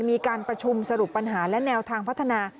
มีการประชุมสรุปปัญหาและแนวทางพัฒนา